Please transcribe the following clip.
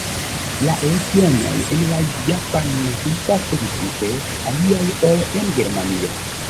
La lecionoj en Japanio estas evidente aliaj ol en Germanio.